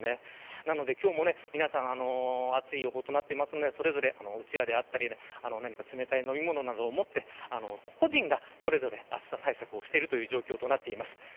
なので，今日も皆さん暑い予報となっていますのでそれぞれ、うちわだったり何か冷たい飲み物などを持って個人がそれぞれ暑さ対策をしているという状況になっています。